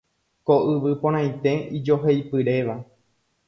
Ko yvy porãite ijoheipyréva